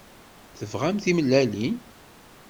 Tebɣam timellalin?